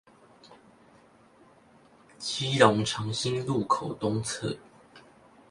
基隆長興路口東側